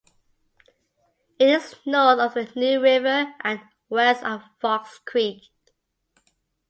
It is north of the New River and west of Fox Creek.